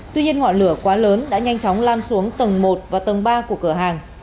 tuy nhiên ngọn lửa quá lớn đã nhanh chóng lan xuống tầng một và tầng ba của cửa hàng